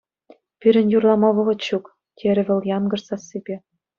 Пирӗн юрлама вӑхӑт ҫук, — терӗ вӑл янкӑш сассипе.